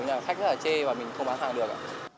cái nhà khách rất là chê và mình không bán hàng được